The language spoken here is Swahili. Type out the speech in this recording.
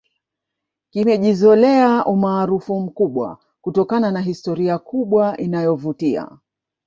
kimejizolea umaarufu mkubwa kutokana na historia kubwa inayovutia